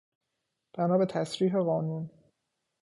بنا به تصریح قانون